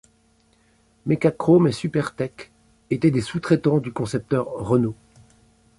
Mecachrome et Supertec étaient des sous-traitants du concepteur Renault.